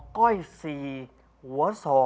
อ๋อก้อย๔หัว๒